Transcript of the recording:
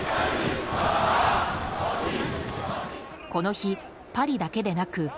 この日、パリだけでなく。